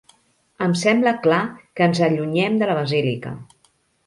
Em sembla clar que ens allunyem de la basílica.